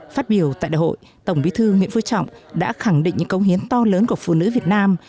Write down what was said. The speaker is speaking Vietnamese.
phát biểu tại đại hội tổng bí thư nguyễn phú trọng đã khẳng định những công hiến to lớn của phụ nữ việt nam